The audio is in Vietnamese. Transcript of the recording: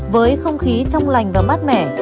với không khí trong lành và mát mẻ